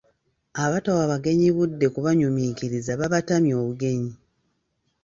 Abatawa bagenyi budde kubanyuminkiriza babatamya obugenyi.